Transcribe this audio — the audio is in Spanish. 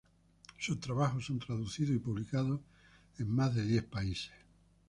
Sus trabajos son traducidos y publicados en más de diez países.